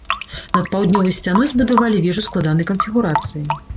Над паўднёвай сцяной збудавалі вежу складанай канфігурацыі.